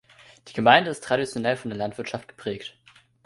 Die Gemeinde ist traditionell von der Landwirtschaft geprägt.